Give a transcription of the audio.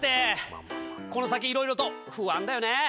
この先いろいろと不安だよね。